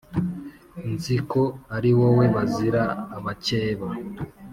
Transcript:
nzi ko ari wowe bazira abakeba